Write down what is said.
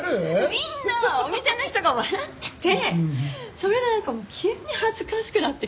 みんなお店の人が笑っててそれでなんかもう急に恥ずかしくなってきてさ。